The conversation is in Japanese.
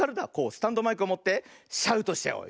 スタンドマイクをもってシャウトしちゃおう。